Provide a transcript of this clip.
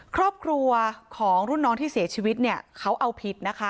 ครอบครัวของรุ่นน้องที่เสียชีวิตเนี่ยเขาเอาผิดนะคะ